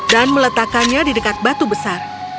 dan meletakkannya di dekat batu besar